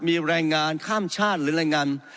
มีแรงงานข้ามชาติหรือแรงงาน